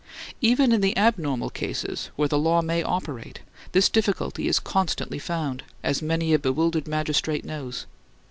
Even in the abnormal cases where the law may operate, this difficulty is constantly found; as many a bewildered magistrate knows.